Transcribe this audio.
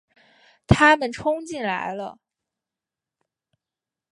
他们冲进来了